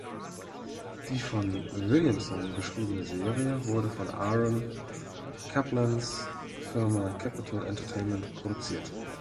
Die von Williamson geschriebene Serie wurde von Aaron Kaplans Firma Kapital Entertainment produziert.